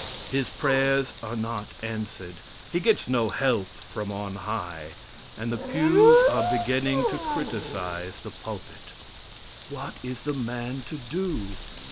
His prayers are not answered; he gets no help from on high, and the pews are beginning to criticize the pulpit. What is the man to do?